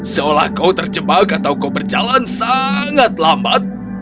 seolah kau terjebak atau kau berjalan sangat lambat